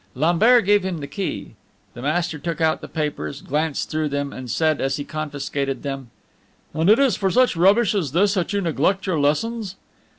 Lambert gave him the key; the master took out the papers, glanced through them, and said, as he confiscated them: "And it is for such rubbish as this that you neglect your lessons!"